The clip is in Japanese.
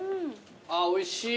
あおいしい。